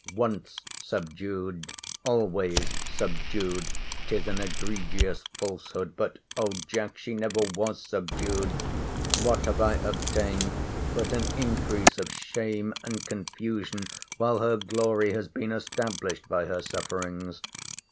—Once subdued, always subdued—'Tis an egregious falsehood!—But, O Jack, she never was subdued. What have I obtained but an increase of shame and confusion!—While her glory has been established by her sufferings!